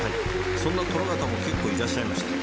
そんな殿方も結構いらっしゃいました。